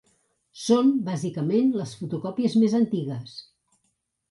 Són, bàsicament, les fotocòpies més antigues.